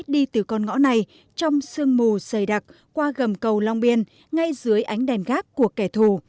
đi từ con ngõ này trong sương mù dày đặc qua gầm cầu long biên ngay dưới ánh đèn gác của kẻ thù